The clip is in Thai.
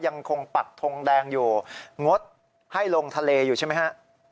ยังคงปัดทรงแดงอยู่งดให้ลงทะเลอยู่ใช่ไหมครับ